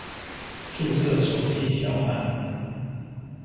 註冊手機條碼